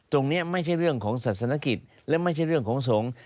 ตรงนี้ไม่ใช่เรื่องของศาสนกิจและไม่ใช่เรื่องของสงฆ์